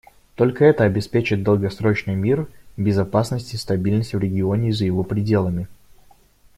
Только это обеспечит долгосрочный мир, безопасность и стабильность в регионе и за его пределами.